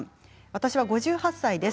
私は５８歳です。